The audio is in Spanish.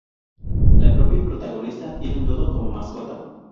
La propia protagonista tiene un dodo como mascota.